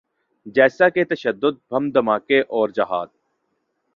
جیسا کہ تشدد، بم دھماکے اورجہاد۔